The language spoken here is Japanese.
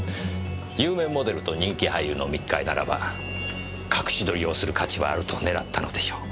有名モデルと人気俳優の密会ならば隠し撮りをする価値はあると狙ったのでしょう。